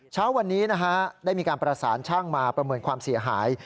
เช้าวันนี้นะฮะได้มีการประสานช่างมาประเมินความเสียหาย